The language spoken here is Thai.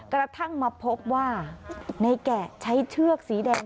กระทั่งมาพบว่าในแกะใช้เชือกสีแดง